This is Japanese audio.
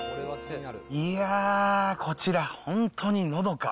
いやー、こちら、本当にのどか。